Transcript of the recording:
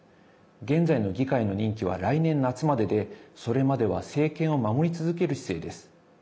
現在の議会の任期は来年夏まででそれまでは政権を守り続ける姿勢です。